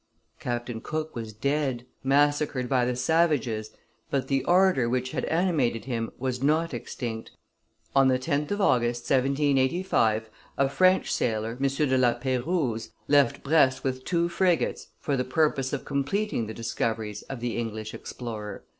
Captain Cook was dead, massacred by the savages, but the ardor which had animated him was not extinct; on the 10th of August, 1785, a French sailor, M. de La Peyrouse, left Brest with two frigates for the purpose of completing the discoveries of the English explorer.